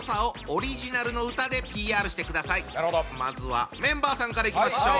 ２組はそのまずはメンバーさんからいきましょう。